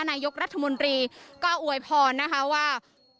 นายกรัฐมนตรีก็อวยพรนะคะว่า